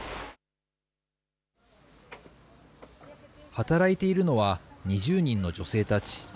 働いているのは２０人の女性たち。